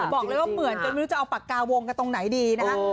บอกเลยว่าเหมือนจนไม่รู้จะเอาปากกาวงกันตรงไหนดีนะฮะ